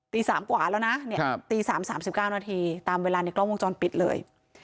๓กว่าแล้วนะตี๓๓๙นาทีตามเวลาในกล้องวงจรปิดเลย